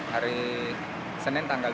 hari senin tanggal dua puluh